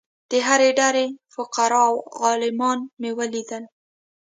د هرې ډلې فقراء او عالمان مې ولیدل.